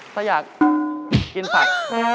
ถ้าอยากกินผัก